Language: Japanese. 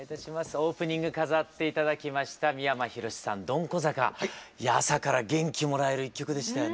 オープニング飾って頂きました三山ひろしさん「どんこ坂」朝から元気もらえる一曲でしたよね。